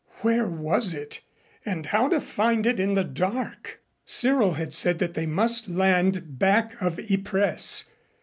Where was it, and how to find it in the dark? Cyril had said that they must land back of Ypres.